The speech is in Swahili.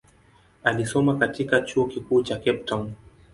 Alisoma katika chuo kikuu cha Cape Town.